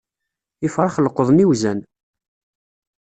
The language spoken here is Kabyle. Ifrax leqḍen iwzan.